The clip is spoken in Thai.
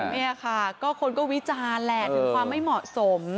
นี่ค่ะก็คนก็วิจารณ์แหละถึงความไม่เหมาะสม